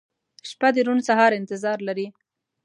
• شپه د روڼ سهار انتظار لري.